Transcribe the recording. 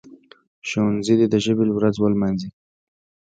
ښوونځي دي د ژبي ورځ ولمانځي.